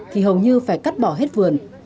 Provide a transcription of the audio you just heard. thì hầu như phải cắt bỏ hết vườn